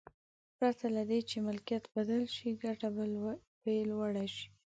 پرته له دې چې ملکیت بدل شي ګټه به یې لوړه شي.